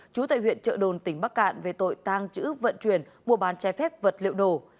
chú tại huyện chợ đồn tỉnh bắc cạn về tội tăng chữ vận chuyển mua bán che phép vật liệu đồ